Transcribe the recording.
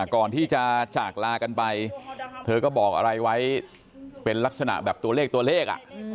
จากลากันไปเธอก็บอกอะไรไว้เป็นลักษณะแบบตัวเลขตัวเลข